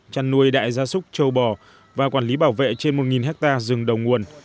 chăn nuôi đại gia súc châu bò và quản lý bảo vệ trên một ha rừng đồng nguồn